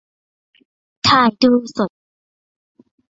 - ถ่ายดูสด